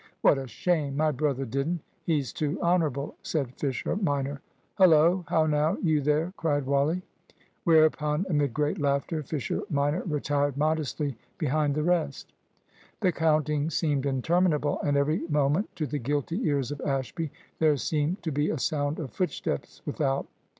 "What a shame! My brother didn't. He's too honourable," said Fisher minor. "Hullo! `How now' you there?" cried Wally. Whereupon, amid great laughter, Fisher minor retired modestly behind the rest. The counting seemed interminable, and every moment, to the guilty ears of Ashby, there seemed to be a sound of footsteps without.